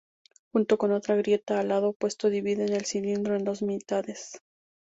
Junto con otra grieta al lado opuesto dividen el cilindro en dos mitades.